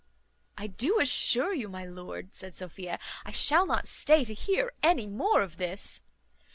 "I do assure you, my lord," said Sophia, "I shall not stay to hear any more of this."